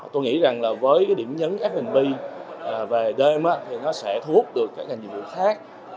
tôi nghĩ rằng là với cái điểm nhấn f b về đêm thì nó sẽ thu hút được các ngành dịch vụ khác